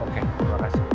oke terima kasih